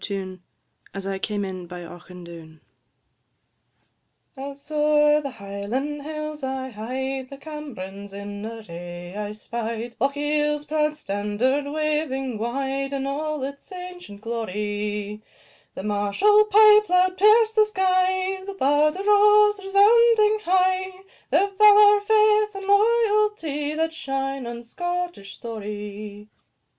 TUNE "As I came in by Auchindoun." I. As o'er the Highland hills I hied, The Camerons in array I spied; Lochiel's proud standard waving wide, In all its ancient glory. The martial pipe loud pierced the sky, The bard arose, resounding high Their valour, faith, and loyalty, That shine in Scottish story.